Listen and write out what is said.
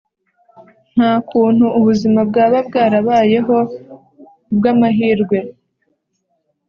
Nta kuntu ubuzima bwaba bwarabayeho ku bw ‘amahirwe.